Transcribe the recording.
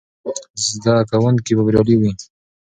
زده کوونکي به بریالي وي.